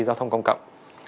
cho giao thông công cộng